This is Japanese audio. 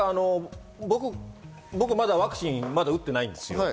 僕まだワクチン打ってないんですよ。